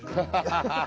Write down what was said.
ハハハハ！